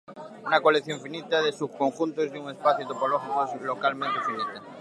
Una colección finita de subconjuntos de un espacio topológico es localmente finita.